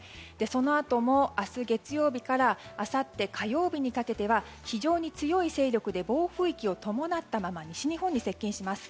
そのあとも、明日月曜日からあさって火曜日にかけては非常に強い勢力で暴風域を伴ったまま西日本に接近します。